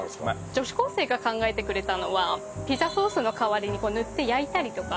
女子高生が考えてくれたのはピザソースの代わりに塗って焼いたりとか。